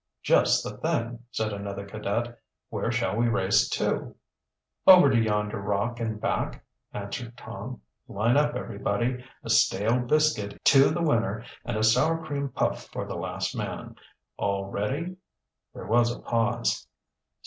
"Just the thing!" said another cadet. "Where shall we race to"? "Over to yonder rock and back," answered Tom. "Line up, everybody. A stale biscuit to the winner and a sour cream puff for the last man. All ready"? There was a pause.